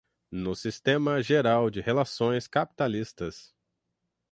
no sistema geral de relações capitalistas